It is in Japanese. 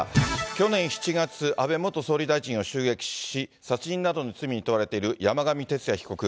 去年７月、安倍元総理大臣を襲撃し、殺人などの罪に問われている山上徹也被告。